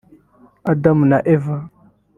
Adamu na Eva